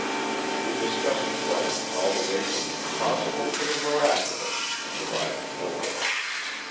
We discussed plans all the way from the impossible to the miraculous and arrived nowhere.